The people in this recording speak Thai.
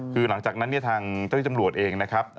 คือหลังจากนั้นทางเจ้าจำรวจเองนะครับ